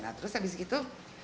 nah terus habis itu